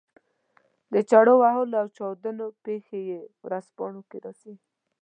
د چړو وهلو او چاودنو پېښې چې ورځپاڼو کې راځي.